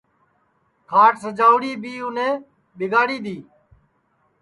کھاٹ سجاوڑا بی اُنے ٻیگاڑی دؔی